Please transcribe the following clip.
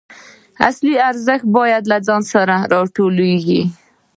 اصلي ارزښت باید له ځان څخه راټوکېږي.